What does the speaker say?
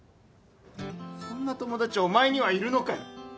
そんな友達お前にはいるのかよ。